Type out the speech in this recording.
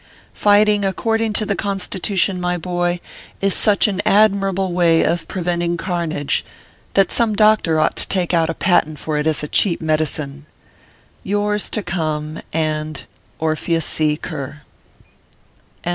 Fighting according to the Constitution, my boy, is such an admirable way of preventing carnage, that some doctor ought to take out a patent for it as a cheap medicine.